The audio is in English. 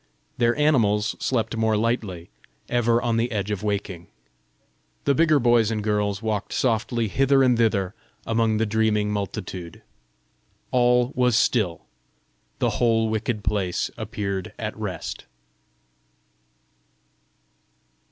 Their animals slept more lightly, ever on the edge of waking. The bigger boys and girls walked softly hither and thither among the dreaming multitude. All was still; the whole wicked place appeared at rest.